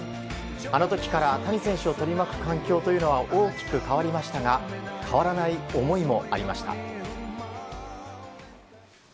あの時から谷選手を取り巻く環境は大きく変わりましたが変わらない思いもありました。